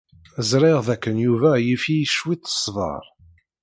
Ẓriɣ dakken Yuba yif-iyi cwiṭ ṣṣber.